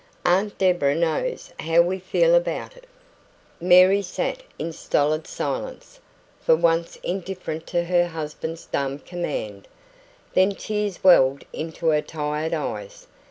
"Aunt Deborah knows how we feel about it." Mary sat in stolid silence, for once indifferent to her husband's dumb command; then tears welled into her tired eyes.